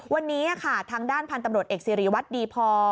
วันนี้ทางด้านพันธุ์ตำรวจเอกซีรีย์วัฒน์ดีพอ